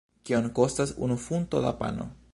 Kiom kostas unu funto da pano?